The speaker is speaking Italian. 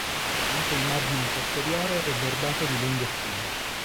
Anche il margine posteriore è bordato di lunghe spine.